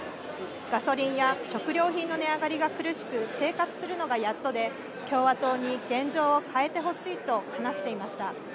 ガソリンや食料品の値上がりが苦しく、生活するのがやっとで共和党に現状を変えてほしいと話していました。